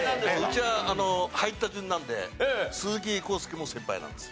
うちは入った順なんで鈴木浩介も先輩なんです。